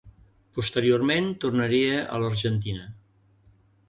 Posteriorment tornaria a l'Argentina.